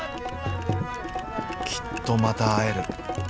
「きっとまた会える。